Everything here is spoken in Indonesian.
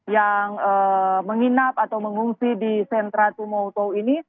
yang menginap atau mengungsi di sentra tumoto ini